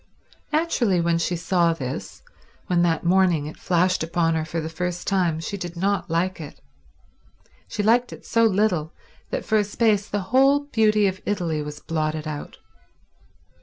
Naturally when she saw this, when that morning it flashed upon her for the first time, she did not like it; she liked it so little that for a space the whole beauty of Italy was blotted out.